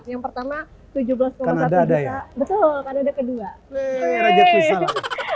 yang pertama tujuh belas